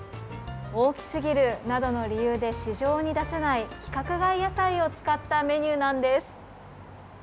大きすぎるなどの理由で市場に出せない規格外野菜を使ったメニューなんです。